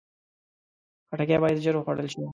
خټکی باید ژر وخوړل شي.